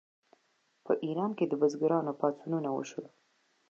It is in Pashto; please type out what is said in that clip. په ایران کې د بزګرانو پاڅونونه وشول.